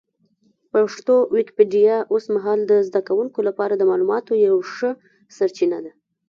پښتو ويکيپېډيا اوس مهال د زده کوونکو لپاره د معلوماتو یوه ښه سرچینه ده.